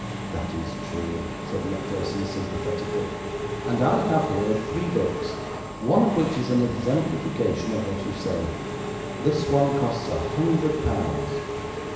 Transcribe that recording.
'That is true,' said Macpherson sympathetically, 'and I have here three books, one of which is an exemplification of what you say. This one costs a hundred pounds.